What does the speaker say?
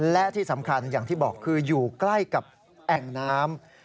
และที่สำคัญอย่างที่บอกคืออยู่ใกล้กับแอ่งน้ำ